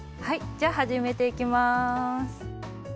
じゃあ始めていきます。